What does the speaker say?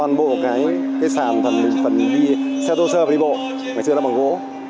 toàn bộ cái sàn phần đi xe tô sơ và đi bộ ngày xưa là bằng gỗ